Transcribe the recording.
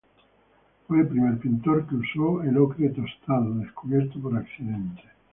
Fue el primer pintor que usó el ocre tostado, descubierto por accidente.